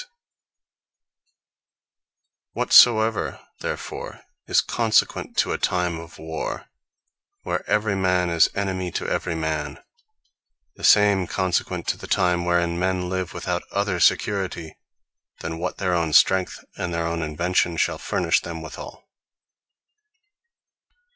The Incommodites Of Such A War Whatsoever therefore is consequent to a time of Warre, where every man is Enemy to every man; the same is consequent to the time, wherein men live without other security, than what their own strength, and their own invention shall furnish them withall.